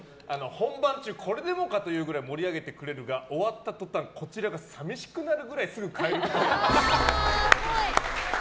本番中、これでもかというくらい盛り上げてくれるが終わった途端こちらが寂しくなるぐらいすぐ帰るっぽい。